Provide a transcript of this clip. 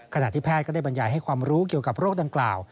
ขณะที่แพทย์ก็ได้บรรยายให้ความรู้เกี่ยวกับโรคดังกล่าว